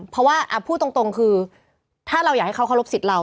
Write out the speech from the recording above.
เพราะว่าพูดตรงคือถ้าเราอยากให้เขาเคารพสิทธิ์เรา